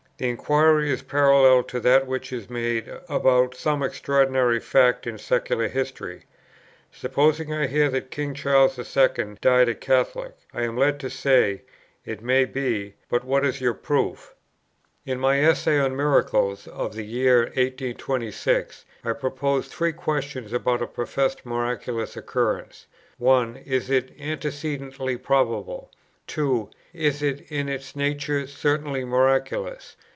The inquiry is parallel to that which is made about some extraordinary fact in secular history. Supposing I hear that King Charles II. died a Catholic, I am led to say: It may be, but what is your proof? In my Essay on Miracles of the year 1826, I proposed three questions about a professed miraculous occurrence: 1. is it antecedently probable? 2. is it in its nature certainly miraculous?